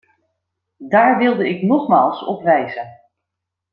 Daar wilde ik nogmaals op wijzen.